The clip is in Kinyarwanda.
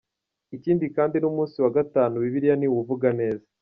Ikindi kandi n’umunsi wa Gatanu Bibiliya ntiwuvuga neza:.